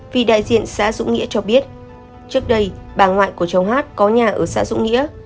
vì đại diện xã dũng nghĩa cho biết trước đây bà ngoại của cháu hát có nhà ở xã dũng nghĩa